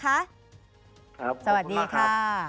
ครับขอบคุณค่ะสวัสดีค่ะ